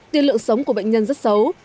tiên lượng sống của bệnh nhân rất xấu